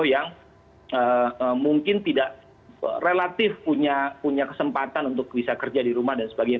yang mungkin tidak relatif punya kesempatan untuk bisa kerja di rumah dan sebagainya